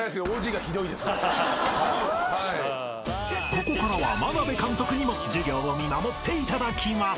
［ここからは眞鍋監督にも授業を見守っていただきます］